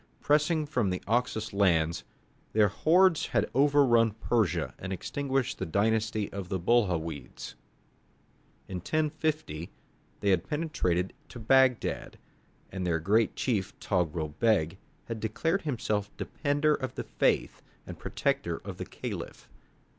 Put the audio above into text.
Pressing on from the Oxus lands, their hordes had overrun Persia and extinguished the dynasty of the Buhawides. In 1050, they had penetrated to Bagdad, and their great chief, Togrul Beg, had declared himself "defender of the faith and protector of the Caliph."